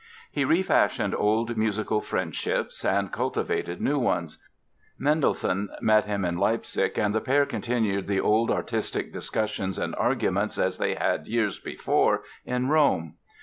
He refashioned old musical friendships and cultivated new ones. Mendelssohn met him in Leipzig and the pair continued the old artistic discussions and arguments as they had years before in Rome.